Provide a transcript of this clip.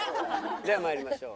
では参りましょう。